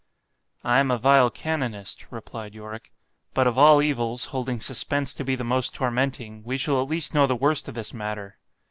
I am a vile canonist, replied Yorick—but of all evils, holding suspence to be the most tormenting, we shall at least know the worst of this matter.